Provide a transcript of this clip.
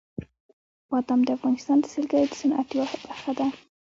بادام د افغانستان د سیلګرۍ د صنعت یوه برخه ده.